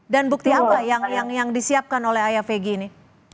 dan bukti apa yang disiapkan oleh ayah peggy ini